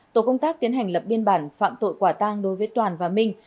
tổ công tác tiến hành lập biên bản phạm tội quả tang đối với toàn và minh